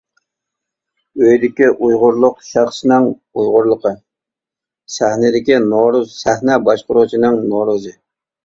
ئۆيدىكى ئۇيغۇرلۇق شەخسنىڭ ئۇيغۇرلۇقى، سەھنىدىكى نورۇز سەھنە باشقۇرغۇچىنىڭ نورۇزى.